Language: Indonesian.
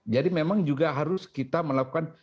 jadi memang juga harus kita melakukan